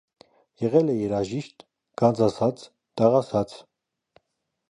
Եղել է երաժիշտ, գանձասաց, տաղասաց։